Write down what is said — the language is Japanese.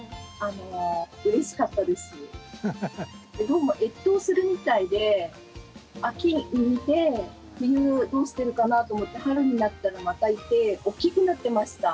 どうも越冬するみたいで秋に見て冬どうしてるかなと思って春になったらまたいて大きくなってました。